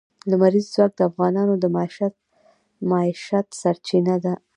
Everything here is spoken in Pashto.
لمریز ځواک د افغانانو د معیشت سرچینه ده.